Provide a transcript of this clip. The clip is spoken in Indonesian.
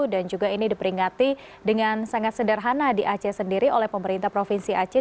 dan juga ini diperingati dengan sangat sederhana di aceh sendiri oleh pemerintah provinsi aceh